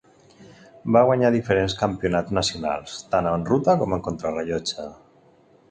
Va guanyar diferents campionats nacionals, tant en ruta com en contrarellotge.